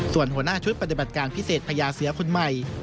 ส่วนหัวหน้าชุดปฏิบัติการพิเศษพญาเสือคนใหม่